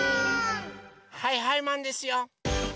はいはいマンですよ！